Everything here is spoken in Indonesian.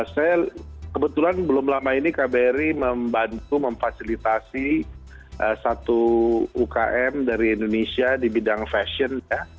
saya kebetulan belum lama ini kbri membantu memfasilitasi satu ukm dari indonesia di bidang fashion ya